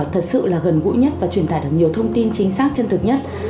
thật sự là gần gũi nhất và truyền tải được nhiều thông tin chính xác chân thực nhất